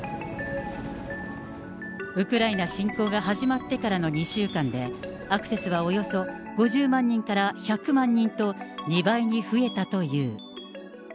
ウクライナ侵攻が始まってからの２週間で、アクセスはおよそ５０万人から１００万人と、２倍に増えたという。